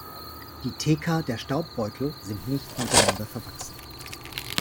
Die Theka der Staubbeutel sind nicht miteinander verwachsen.